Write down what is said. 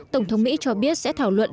tổng thống mỹ cho biết sẽ thảo luận